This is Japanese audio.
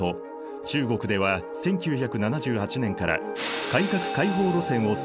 中国では１９７８年から改革開放路線を推進した。